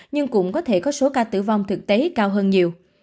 nhưng cũng có thể có số ca tử vong thực tế cao hơn nhiều